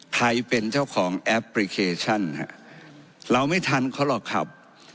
ใครเป็นเจ้าของแอปพลิเคชันฮะเราไม่ทันเขาหรอกครับ